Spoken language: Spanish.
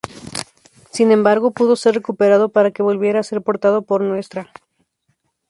Sin embargo pudo ser recuperado para que volviera a ser portado por Ntra.